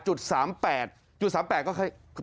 จุด๓แปดจุด๓แปดก็คือ